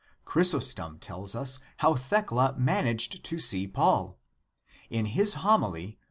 Chrysostom tells us how Thecla managed to see Paul, In his Homily, XXV.